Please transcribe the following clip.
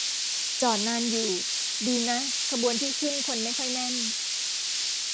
จอดนานอยู่ ดีนะขบวนที่ขึ้นคนไม่ค่อยแน่น